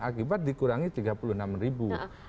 akibat dikurangi tiga puluh enam ribu